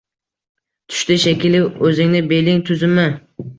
tushdi shekili, o’zingni beling tuzimi?